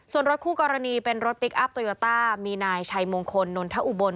ส่วนรถคู่กรณีเป็นรถพลิกอัพโตโยต้ามีนายชัยมงคลนนทอุบล